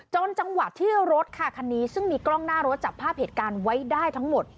จังหวะที่รถค่ะคันนี้ซึ่งมีกล้องหน้ารถจับภาพเหตุการณ์ไว้ได้ทั้งหมด